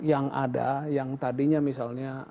yang ada yang tadinya misalnya